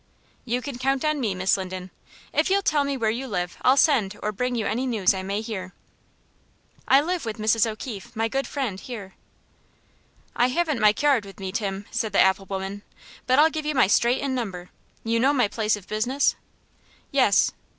"You can count on me, Miss Linden. If you'll tell me where you live I'll send or bring you any news I may hear." "I live with Mrs. O'Keefe, my good friend, here." "I haven't my kyard with me, Tim," said the apple woman, "but I'll give you my strate and number. You know my place of business?" "Yes."